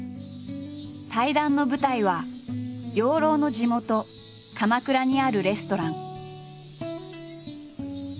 対談の舞台は養老の地元鎌倉にあるレストラン。